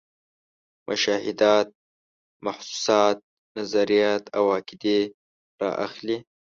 مشاهدات، محسوسات، نظریات او عقیدې را اخلي.